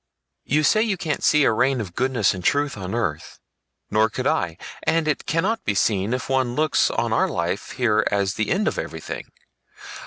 "You say you can't see a reign of goodness and truth on earth. Nor could I, and it cannot be seen if one looks on our life here as the end of everything.